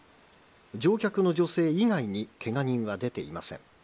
乗客の女性以外に、けが人は出ていません。